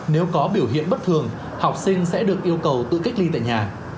nếu có biểu hiện bất thường học sinh sẽ được yêu cầu tự cách ly tại nhà